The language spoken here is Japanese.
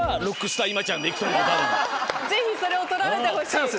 ぜひそれを撮られてほしい！